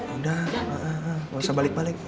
udah nggak usah balik balik